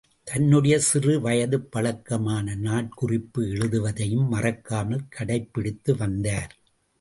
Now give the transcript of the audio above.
தன்னுடைய சிறு வயதுப் பழக்கமான நாட்குறிப்பு எழுதுவதையும் மறக்காமல் கடைப்பிடித்து வநதார்.